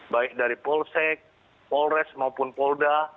baik dari polsek polres maupun polda